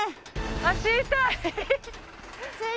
足痛い。